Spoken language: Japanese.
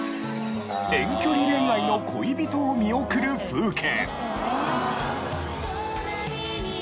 遠距離恋愛の恋人を見送る風景。